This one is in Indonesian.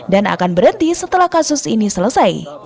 dan akan berhenti setelah kasus ini selesai